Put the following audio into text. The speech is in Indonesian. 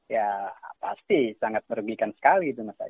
ya pasti sangat merugikan sekali gitu mas adi